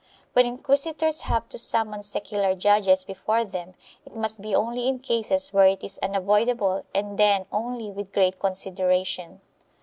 When inquisitors have to summon secular judges before them it must be only in cases where it is unavoidable and then only with great consideration.